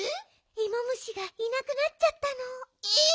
イモ虫がいなくなっちゃったの。え！